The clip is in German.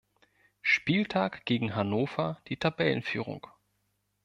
Spieltag gegen Hannover die Tabellenführung.